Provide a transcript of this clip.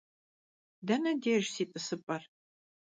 Dene dêjj si t'ısıp'er?